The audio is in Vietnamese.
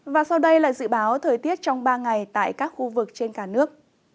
và sau đây là dự báo thời tiết trong ba ngày tại các khu vực trên cả nước